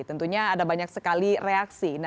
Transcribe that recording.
tentunya ada banyak sekali reaksi